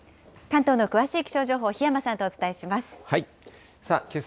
関東の詳しい気象情報、檜山さんとお伝えします。